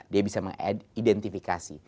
dia bisa mengidentifikasi